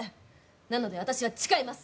なので私は誓います。